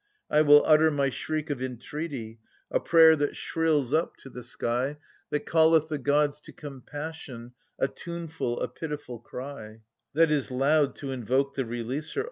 I will utter my shriek of entreaty, a prayer that shrills up to That calleth the gods to compassion, a 4in#fe^ a pitiful cry. That is loud to invoke the releaser.